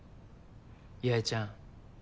八重ちゃん